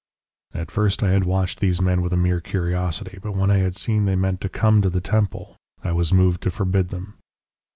"At first I had watched these men with a mere curiosity, but when I had seen they meant to come to the temple I was moved to forbid them.